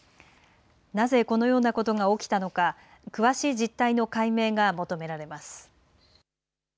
なぜこのようなことが起きたのか詳しい実態の解明が求められます。